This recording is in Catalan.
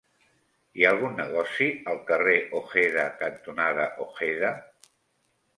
Hi ha algun negoci al carrer Ojeda cantonada Ojeda?